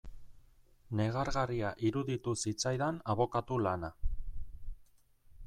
Negargarria iruditu zitzaidan abokatu lana.